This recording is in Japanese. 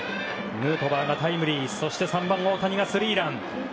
ヌートバーがタイムリー３番、大谷がスリーラン。